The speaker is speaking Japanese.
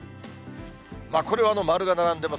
これは丸が並んでます。